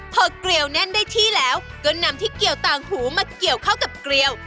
พอเกลียวแน่นได้ที่แล้วก็นำที่เกี่ยวต่างหูมาเกี่ยวเข้ากับเกลียว